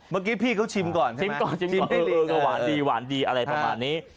เมื่อกี้พี่เขาชิมก่อนใช่ไหมชิมก่อนชิมก่อนเออก็หวานดีหวานดีอะไรประมาณนี้